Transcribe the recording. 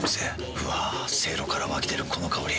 うわせいろから湧き出るこの香り。